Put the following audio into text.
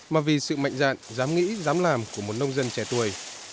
mà vì sự mạnh dạn dám nghĩ dám làm của một nông dân trẻ tuổi